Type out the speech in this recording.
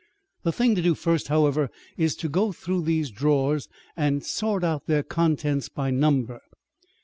The thing to do first, however, is to go through these drawers and sort out their contents by number."